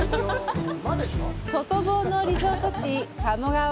外房のリゾート地、鴨川。